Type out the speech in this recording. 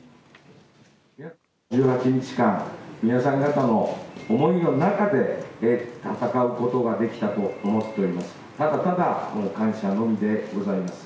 １８日間、皆さん方の思いの中で戦うことができたと思っております。